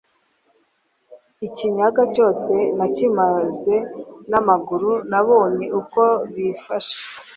ikinyaga cyose nakimaze n'amaguru nabonye uko bifashe